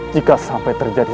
jika sampai terjadi